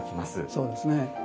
そうですね。